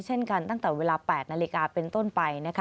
เช่นกันตั้งแต่เวลา๘นาฬิกาเป็นต้นไปนะคะ